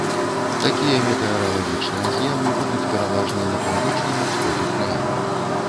Такія метэаралагічныя з'явы будуць пераважна на паўночным усходзе краіны.